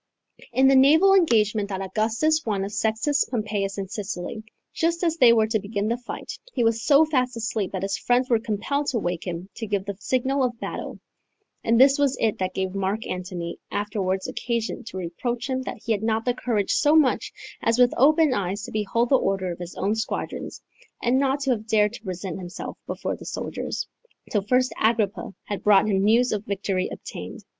In the naval engagement that Augustus won of Sextus Pompeius in Sicily, just as they were to begin the fight, he was so fast asleep that his friends were compelled to wake him to give the signal of battle: and this was it that gave Mark Antony afterwards occasion to reproach him that he had not the courage so much as with open eyes to behold the order of his own squadrons, and not to have dared to present himself before the soldiers, till first Agrippa had brought him news of the victory obtained.